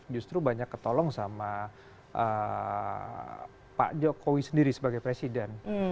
justru banyak ketolong sama pak jokowi sendiri sebagai presiden